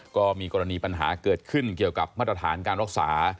ก็มีกรณีปัญหาเกิดขึ้นเกี่ยวกับมาตรฐานการรักษา